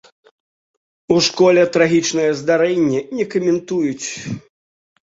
У школе трагічнае здарэнне не каментуюць.